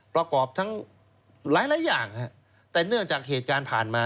ประกอบทั้งหลายอย่างแต่เนื่องจากเหตุการณ์ผ่านมา